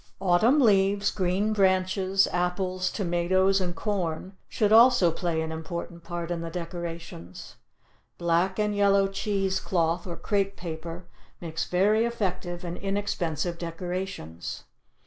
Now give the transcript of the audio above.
Autumn leaves, green branches, apples, tomatoes and corn should also play an important part in the decorations. Black and yellow cheese cloth or crepe paper makes very effective and inexpensive decorations.